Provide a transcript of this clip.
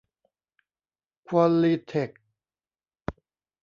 ควอลลีเทค